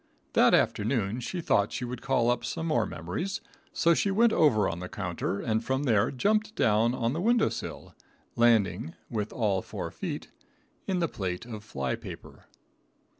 That afternoon she thought she would call up some more memories, so she went over on the counter and from there jumped down on the window sill, landing with all four feet in the plate of fly paper.